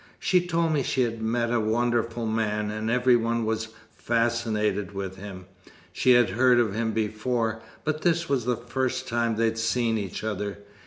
She told me she'd met a wonderful man, and every one was fascinated with him. She had heard of him before, but this was the first time they'd seen each other.